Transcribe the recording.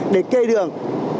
để kê đường